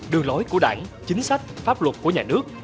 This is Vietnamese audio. đường lối của đảng chính sách pháp luật của nhà nước